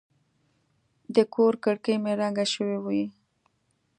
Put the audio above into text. د کور کړکۍ مې رنګه شوې وې.